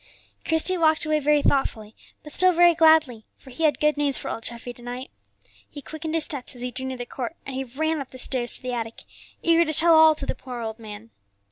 Christie walked away very thoughtfully, but still very gladly, for he had good news for old Treffy to night. He quickened his steps as he drew near the court, and he ran up the stairs to the attic, eager to tell all to the poor old man.